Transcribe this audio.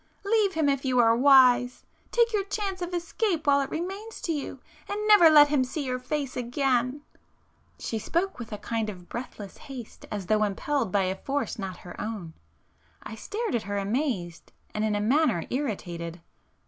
Leave him if you are wise,—take your chance of escape while it remains to you,—and never let him see your face again!" [p 433]She spoke with a kind of breathless haste as though impelled by a force not her own,—I stared at her amazed, and in a manner irritated.